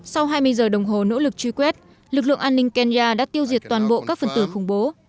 sau hai mươi giờ đồng hồ nỗ lực truy quét lực lượng an ninh kenya đã tiêu diệt toàn bộ các phần tử khủng bố